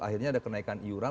akhirnya ada kenaikan iuran